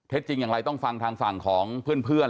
จริงอย่างไรต้องฟังทางฝั่งของเพื่อน